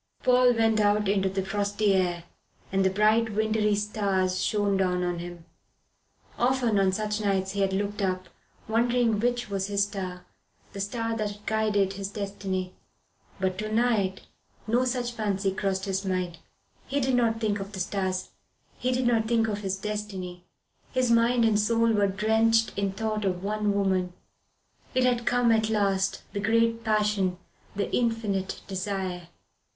Paul went out into the frosty air, and the bright wintry stars shone down on him. Often on such nights he had looked up, wondering which was his star, the star that guided his destiny. But to night no such fancy crossed his mind. He did not think of the stars. He did not think of his destiny. His mind and soul were drenched in thought of one woman. It had come at last, the great passion, the infinite desire.